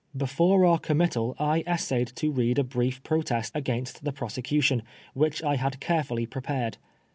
Before our committal I essayed to read a brief pro test against the prosecution^ which I had carefolly prepared.